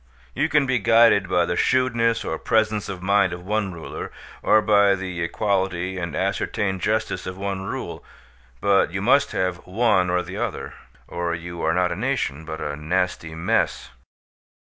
You can be guided by the shrewdness or presence of mind of one ruler, or by the equality and ascertained justice of one rule; but you must have one or the other, or you are not a nation, but a nasty mess.